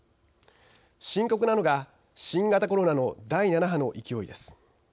深刻なのが新型コロナの第７波の勢いです。